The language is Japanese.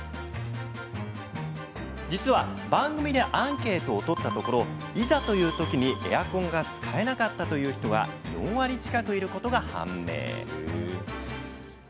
実は番組でアンケートを取ったところいざというときにエアコンが使えなかったという人が４割近くいることが判明。